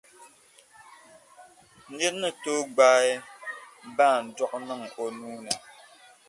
Nir’ ni tooi gbaai baandɔɣu niŋ o nuu ni.